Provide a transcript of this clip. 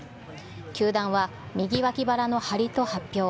球団は右脇腹の張りと発表。